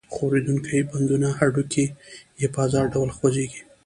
ښورېدونکي بندونه هډوکي یې په آزاد ډول خوځېږي.